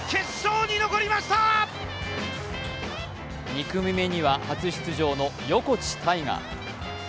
２組目には初出場の横地大雅。